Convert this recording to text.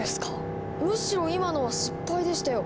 むしろ今のは失敗でしたよ。